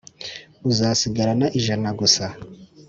uzasigarana ijana gusa ;